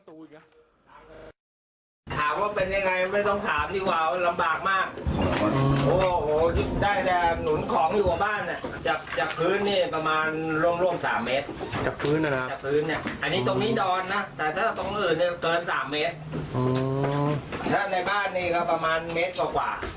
ถามว่าเป็นยังไงไม่ต้องถามดีกว่าลำบากมาก